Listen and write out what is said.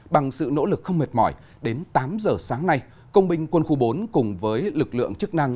bằng sự nỗ lực không mệt mỏi đến tám giờ sáng nay công binh quân khu bốn cùng với lực lượng chức năng